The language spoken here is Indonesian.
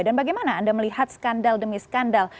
dan bagaimana anda melihat skandal demi skandal